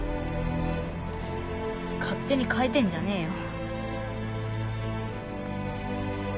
勝手に変えてんじゃねえよ。